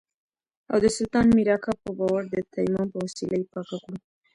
او د سلطان مير اکا په باور د تيمم په وسيله يې پاکه کړو.